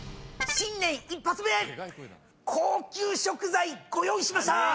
新年１発目高級食材ご用意しました。